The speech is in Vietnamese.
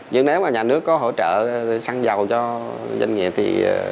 nhưng nếu mà nhà nước có hỗ trợ xăng dầu cho doanh nghiệp thì